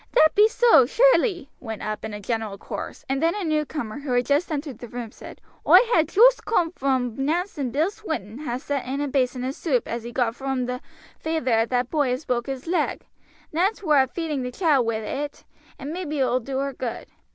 "That be so, surely," went up in a general chorus, and then a newcomer who had just entered the room said: "Oi ha' joost coom vrom Nance's and Bill Swinton ha' sent in a basin o' soup as he got vrom the feyther o' that boy as broke his leg. Nance war a feeding the child wi' it, and maybe it will do her good.